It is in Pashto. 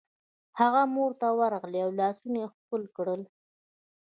هغه مور ته ورغله او لاسونه یې ښکل کړل